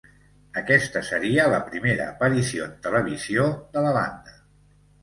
Aquesta seria la primera aparició en televisió de la banda.